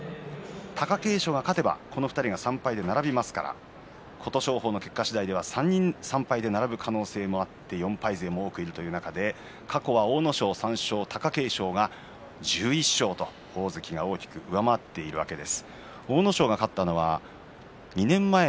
貴景勝が勝てばこの２人が３敗で並びますから琴勝峰の結果次第では３人で３敗が並ぶ可能性があって４敗も多くいるという中で過去の阿武咲３勝貴景勝が１１勝という大関が大きく上回っているわけです。